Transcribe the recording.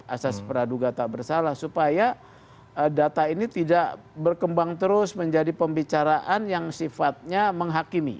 asas peraduga tak bersalah supaya data ini tidak berkembang terus menjadi pembicaraan yang sifatnya menghakimi